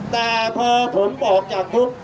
แต่พอผมบอกจากทุกข์